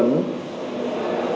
bọn cháu thích giải hiện